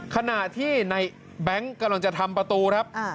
ขณะที่ในแบงค์กำลังจะทำประตูครับ